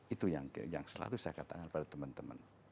itu yang selalu saya katakan pada teman teman